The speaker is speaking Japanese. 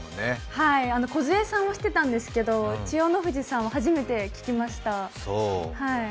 はい、梢さんは知ってたんですけど千代の富士さんは初めて聞きました。